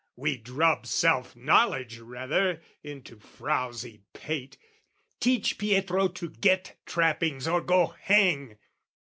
We drub Self knowledge, rather, into frowzy pate, Teach Pietro to get trappings or go hang!